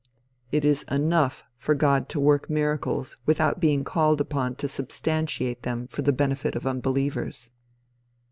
It is enough for God to work miracles without being called upon to substantiate them for the benefit of unbelievers.